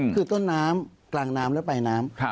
คือต้นน้ำกลางน้ำและปลายน้ำ